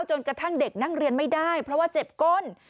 จนกระทั่งเด็กนั่งเรียนไม่ได้เพราะว่าเจ็บก้น